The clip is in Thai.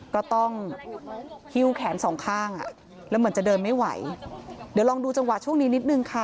ก็ต้องหิ้วแขนสองข้างอ่ะแล้วเหมือนจะเดินไม่ไหวเดี๋ยวลองดูจังหวะช่วงนี้นิดนึงค่ะ